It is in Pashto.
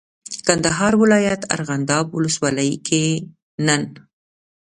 کندهار ولایت ارغنداب ولسوالۍ کې نن